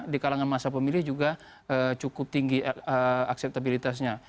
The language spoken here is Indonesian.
di kalangan masa pemilih juga cukup tinggi akseptabilitasnya